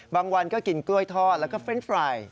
บางวันก็กินกล้วยทอดแล้วก็เฟรนด์ไฟ